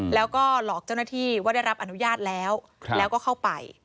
แล้วก็หลอกเจ้าหน้าที่ว่าได้รับอนุญาตแล้วแล้วก็เข้าไป